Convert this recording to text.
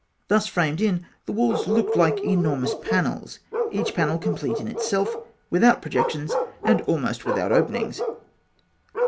Thus framed in, the walls looked like enormous panels, each panel complete in itself, without projections and almost without openings.